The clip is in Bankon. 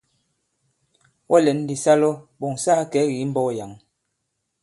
Wɔ lɛ̌n ndī sa lɔ ɓɔ̀ŋ sa kakɛ̌ kì i mbɔ̄k yǎŋ.